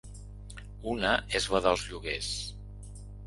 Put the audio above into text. Una és la dels lloguers.